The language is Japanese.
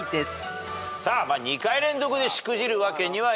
さあ２回連続でしくじるわけにはいきません。